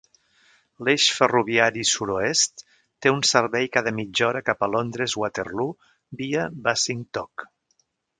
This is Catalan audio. L"eix ferroviari sur-oest té un servei cada mitja hora cap a Londres Waterloo via Basingtoke.